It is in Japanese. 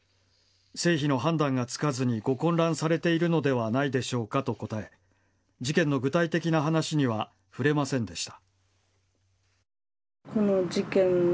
成否の判断がつかずにご混乱されているのではないでしょうかと答え事件の具体的な話には触れませんでした。